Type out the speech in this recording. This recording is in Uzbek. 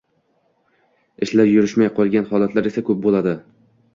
Ishlar yurishmay qolgan holatlar esa koʻp boʻladi